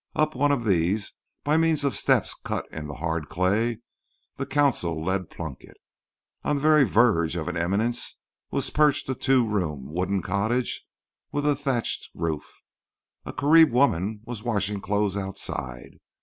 Up one of these, by means of steps cut in the hard clay, the consul led Plunkett. On the very verge of an eminence was perched a two room wooden cottage with a thatched roof. A Carib woman was washing clothes outside.